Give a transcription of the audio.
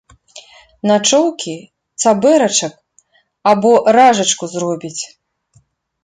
Начоўкі, цабэрачак або ражачку зробіць.